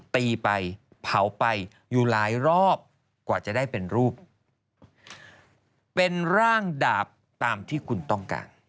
ตีไปเผาไปอยู่หลายรอบกว่าจะได้เป็นรูปเป็นร่างดาบตามที่คุณต้องการ